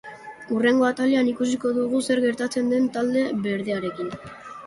Hurrengo atalean ikusiko dugu zer gertatzen den talde berdearekin.